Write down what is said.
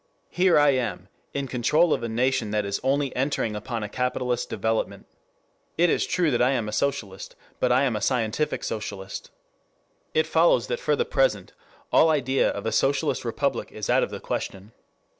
here am I, in control of a nation that is only entering upon a capitalist development... it is true that I am a socialist, but I am a scientific socialist... it follows that for the present all idea of a socialist republic is out of the question...